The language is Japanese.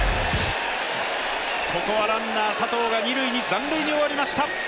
ここはランナー・佐藤が二塁に残塁に終わりました。